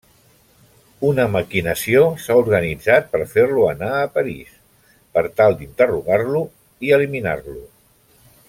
Una maquinació s'ha organitzat per fer-lo anar a París, per tal d'interrogar-lo i eliminar-lo.